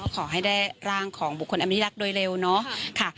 ขอให้ได้ร่างของบุคคลอันเป็นที่รักโดยเร็วเนาะค่ะ